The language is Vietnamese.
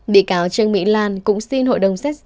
bị cáo trương mỹ lan cũng xin hội đồng xét xử